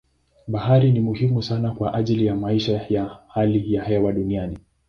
Bahari ni muhimu sana kwa ajili ya maisha na hali ya hewa duniani.